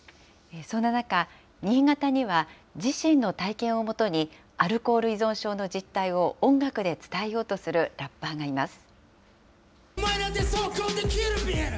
そんな中、新潟には自身の体験をもとに、アルコール依存症の実態を音楽で伝えようとするラッパーがいます。